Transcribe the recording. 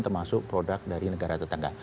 termasuk produk dari negara tetangga